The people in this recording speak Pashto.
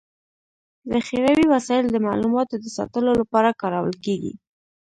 ذخيروي وسایل د معلوماتو د ساتلو لپاره کارول کيږي.